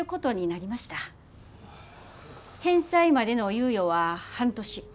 返済までの猶予は半年。